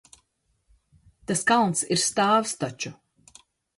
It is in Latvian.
Tas kalns ir stāvs taču.